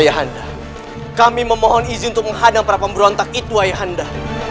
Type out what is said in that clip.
ayahanda kami memohon izin untuk menghadang prapamberontak itu ayahanda